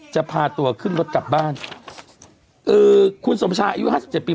จะพาตัวขึ้นรถกลับบ้านเออคุณสมชายอายุห้าสิบเจ็ดปี